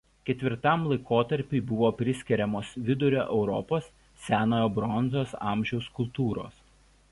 Ketvirtajam laikotarpiui buvo priskiriamos Vidurio Europos senojo bronzos amžiaus kultūros.